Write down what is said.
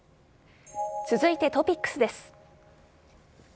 続いてトピックスです。